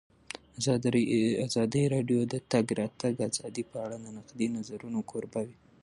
ازادي راډیو د د تګ راتګ ازادي په اړه د نقدي نظرونو کوربه وه.